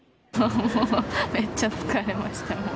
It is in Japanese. めっちゃ疲れました、もう。